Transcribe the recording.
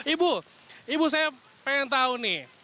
ibu ibu saya pengen tahu nih